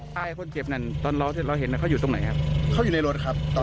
ต้านไฟคนเก็บนั้นตอนเราเห็นเขาอยู่ตรงไหนครับ